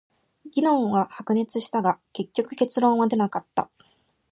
議論は白熱したが、結局結論は出なかった。